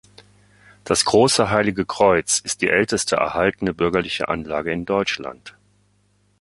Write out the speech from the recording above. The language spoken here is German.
Das Große Heilige Kreuz ist die älteste erhaltene bürgerliche Anlage in Deutschland.